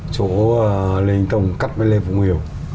chỗ lê đình tông cắt với lê phụng hiểu